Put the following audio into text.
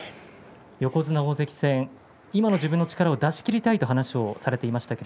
横綱大関戦今の自分の力を出し切りたいという話をしていました。